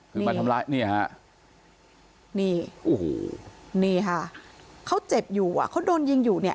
คือมาทำร้ายนี่ฮะนี่โอ้โหนี่ค่ะเขาเจ็บอยู่อ่ะเขาโดนยิงอยู่เนี่ย